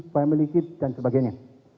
biaya melikit dan sebagainya